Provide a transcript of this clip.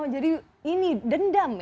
jadi ini dendam ya